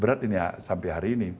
berat ini sampai hari ini